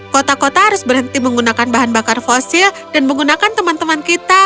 kota kota harus berhenti menggunakan bahan bakar fosil dan menggunakan teman teman kita